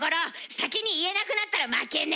先に言えなくなったら負けね！